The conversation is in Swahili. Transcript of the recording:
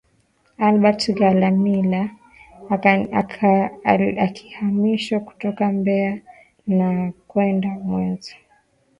Albert Chalamila akihamishwa kutoka Mbeya na kwenda Mwanza